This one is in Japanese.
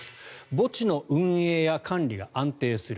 墓地の運営や管理が安定する。